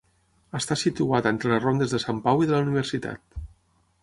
Està situada entre les rondes de Sant Pau i de la Universitat.